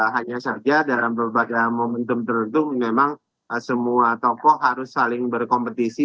hanya saja dalam berbagai momentum tertentu memang semua tokoh harus saling berkompetisi